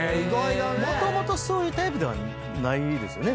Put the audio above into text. もともとそういうタイプではないですよね？